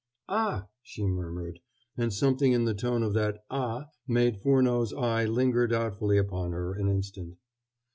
"Ah!" she murmured, and something in the tone of that "Ah!" made Furneaux's eye linger doubtfully upon her an instant.